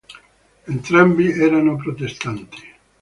Entrambi erano protestanti.